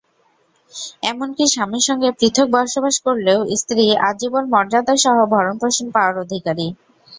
এমনকি স্বামীর সঙ্গে পৃথক বসবাস করলেও স্ত্রী আজীবন মর্যাদাসহ ভরন-পোষণ পাওয়ার অধিকারী।